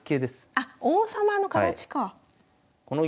あっ王様の形か。